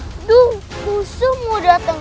ha ha kusumu dah vanjir besi tangan